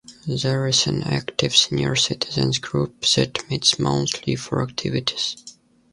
There is an active senior citizens group that meets monthly for activities.